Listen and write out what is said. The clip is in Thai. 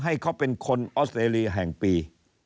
ให้เขาเป็นคนออสเตรเลียแห่งปี